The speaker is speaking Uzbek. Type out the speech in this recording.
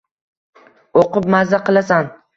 O’qib maza qilasan.